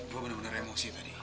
gue bener bener emosi tadi